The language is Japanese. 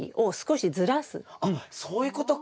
あっそういうことか。